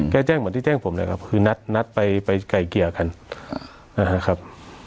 แจ้งเหมือนที่แจ้งผมเลยครับคือนัดไปไก่เกลี่ยกันนะครับ